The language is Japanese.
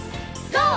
ＧＯ！